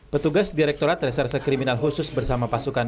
petugas direkturat reserse kriminal khusus bersama pasukan